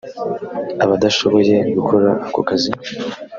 abadashoboye gukora ako kazi